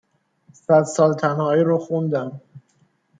صد سال تنهایی رو خوندم